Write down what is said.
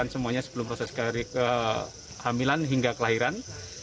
semuanya sebelum proses kehamilan hingga kelahiran